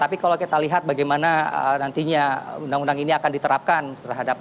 tapi kalau kita lihat bagaimana nantinya undang undang ini akan diterapkan terhadap